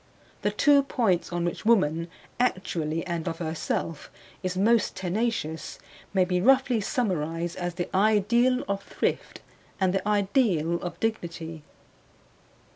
The two points on which woman, actually and of herself, is most tenacious may be roughly summarized as the ideal of thrift and the ideal of dignity.